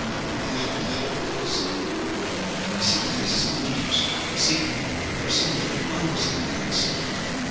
They hold the whole castle, for I see their faces at the windows. See, there are some with great bundles on their backs."